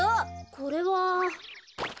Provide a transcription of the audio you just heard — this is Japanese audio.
これは。